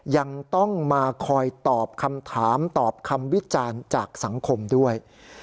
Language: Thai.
ยังต้องมาคอยตอบคำถามตอบคำวิจารณ์จากสังคมด้วย